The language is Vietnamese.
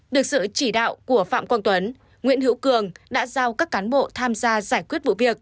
được sự chỉ đạo của phạm quang tuấn nguyễn hữu cường đã giao các cán bộ tham gia giải quyết vụ việc